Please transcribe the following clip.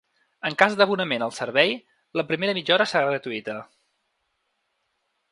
En cas d’abonament al servei, la primera mitja hora serà gratuïta.